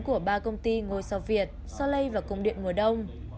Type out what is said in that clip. của ba công ty ngôi sao việt soley và cung điện mùa đông